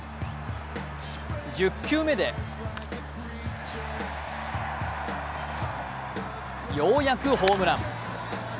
１０球目でようやくホームラン。